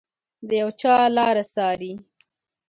د یو چا لاره څاري